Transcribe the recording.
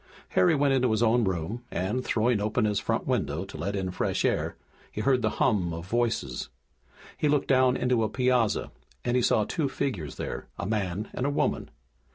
Harry went into his own room, and, throwing open his front window to let in fresh air, he heard the hum of voices. He looked down into a piazza and he saw two figures there, a man and a woman.